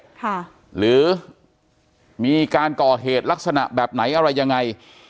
ค่ะหรือมีการก่อเหตุลักษณะแบบไหนอะไรยังไง